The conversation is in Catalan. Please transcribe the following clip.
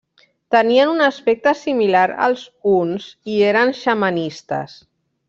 Tenien un aspecte similar als huns i eren xamanistes.